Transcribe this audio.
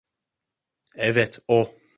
Evet, o.